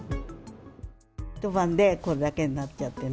一晩でこんだけになっちゃってね。